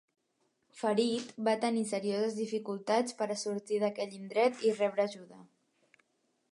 Ferit, va tenir serioses dificultats per a sortir d'aquell indret i rebre ajuda.